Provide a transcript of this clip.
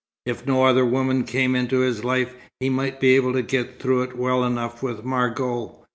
If no other woman came into his life, he might be able to get through it well enough with Margot.